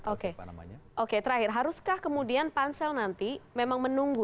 oke terakhir haruskah kemudian pansel nanti memang menunggu